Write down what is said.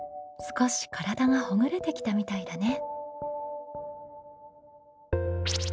少し体がほぐれてきたみたいだね。